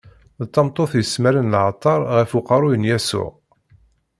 D tameṭṭut yesmaren leɛṭer ɣef uqerru n Yasuɛ.